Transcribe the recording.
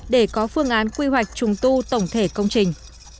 để có phương án quy hoạch trùng tu tổng thể công trình